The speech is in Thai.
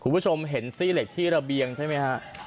คุณผู้ชมเห็นซี่เหล็กที่ระเบียงใช่ไหมฮะ